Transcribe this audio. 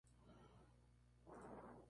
Agricultura e industria textil.